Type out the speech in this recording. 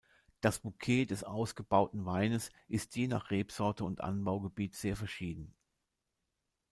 Das Bouquet des ausgebauten Weines ist je nach Rebsorte und Anbaugebiet sehr verschieden.